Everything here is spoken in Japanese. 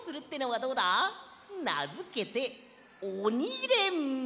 なづけて「おにれんぼ」！